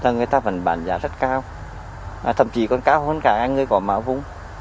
người ta vẫn bán giá rất cao thậm chí còn cao hơn cả những người có mã vùng